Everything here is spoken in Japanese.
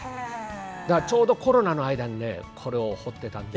ちょうどコロナの間にこれを彫ってたので。